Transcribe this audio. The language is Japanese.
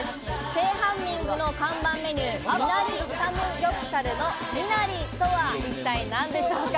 テハンミングの看板メニュー、ミナリサムギョプサルのミナリは一体何でしょうか？